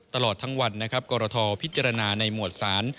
ตลอดทั้งวันกรทอพิจารณาในหมวดสาร